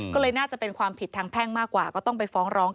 ก็เลยน่าจะเป็นความผิดทางแพ่งมากกว่าก็ต้องไปฟ้องร้อง